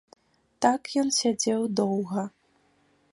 Так ён сядзеў доўга.